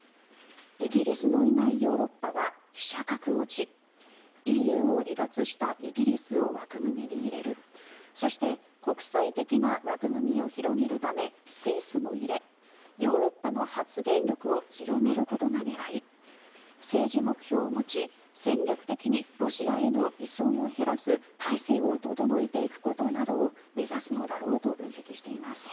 イギリスのいないヨーロッパは飛車角落ちＥＵを離脱したイギリスを枠組みに入れるそして、国際的な枠組みを広げるためスイスも入れヨーロッパの発言力を強めることが狙い政治目標を持ち、戦略的にロシアへの依存を減らす体制を整えていくことなどを目指すのだろうと分析しています。